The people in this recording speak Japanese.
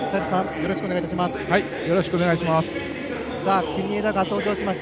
よろしくお願いします。